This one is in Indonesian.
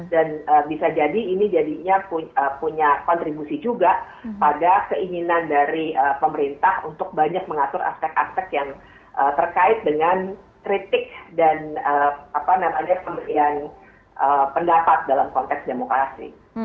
dan bisa jadi ini jadinya punya kontribusi juga pada keinginan dari pemerintah untuk banyak mengatur aspek aspek yang terkait dengan kritik dan pendapat dalam konteks demokrasi